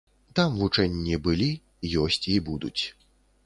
Таму вучэнні былі, ёсць і будуць.